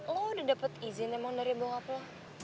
lo udah dapet izin emang dari bapak lo